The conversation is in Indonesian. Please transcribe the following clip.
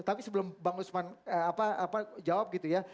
tapi sebelum bang usman jawab gitu ya